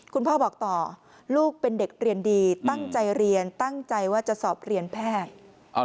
พ่อบอกต่อลูกเป็นเด็กเรียนดีตั้งใจเรียนตั้งใจว่าจะสอบเรียนแพทย์